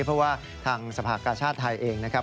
เพราะว่าทางสภากาชาติไทยเองนะครับ